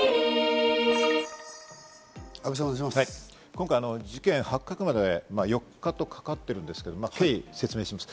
今回、事件発覚まで４日とかかっているんですけれども、経緯を説明します。